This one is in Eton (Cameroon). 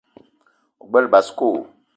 O gbele basko?